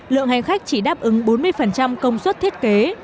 lượng hành khách chỉ đáp ứng bốn mươi công suất thiết kế